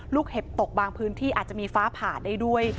เห็บตกบางพื้นที่อาจจะมีฟ้าผ่าได้ด้วย